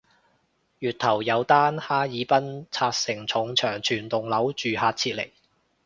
月頭有單哈爾濱拆承重牆全棟樓住客撤離